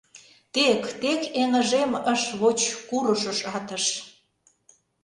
Тек, тек эҥыжем ыш воч курышыш-атыш